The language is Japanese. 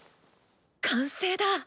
完成だ！